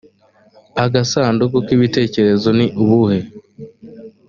agasanduku k ibibazo ni ubuhe